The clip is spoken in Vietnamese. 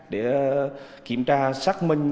để kiểm tra xác minh